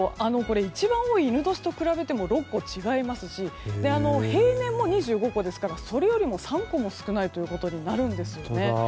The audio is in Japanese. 一番多い戌年と比べても６個違いますし平年も２５個ですからそれより３個も少ないということになるんです。